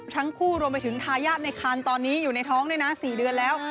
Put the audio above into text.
รวมไปถึงทายาทในคันตอนนี้อยู่ในท้องด้วยนะ๔เดือนแล้ว